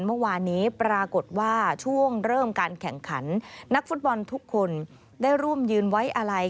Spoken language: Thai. เมื่อวานนี้ปรากฏว่าช่วงเริ่มการแข่งขันนักฟุตบอลทุกคนได้ร่วมยืนไว้อะไร